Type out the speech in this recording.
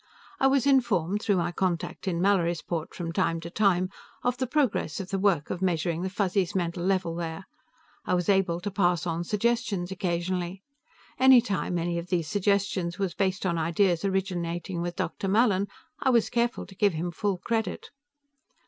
I was informed, through my contact in Mallorysport, from time to time, of the progress of the work of measuring the Fuzzies' mental level there; I was able to pass on suggestions occasionally. Any time any of these suggestions was based on ideas originating with Dr. Mallin, I was careful to give him full credit."